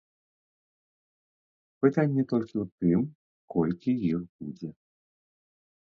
Пытанне толькі ў тым, колькі іх будзе.